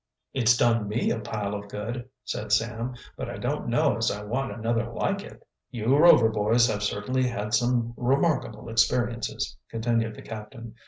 "It's done me a pile of good," said Sam. "But I don't know as I want another like it." "You Rover boys have certainly had some remarkable experiences," continued the captain.